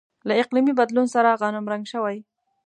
له اقلیمي بدلون سره غنمرنګ شوي.